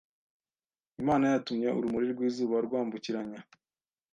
Imana yatumye urumuri rw’izuba rwambukiranya